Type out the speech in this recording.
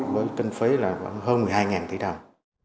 với kinh phí là khoảng hơn một mươi hai tỷ đồng